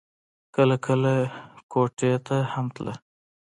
کله کله کوټې ته هم ته.